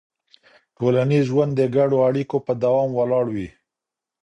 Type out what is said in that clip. ټولنیز ژوند د ګډو اړیکو په دوام ولاړ وي.